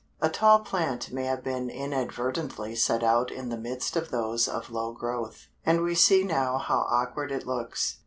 A tall plant may have been inadvertently set out in the midst of those of low growth, and we see now how awkward it looks.